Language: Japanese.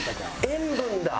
塩分だ。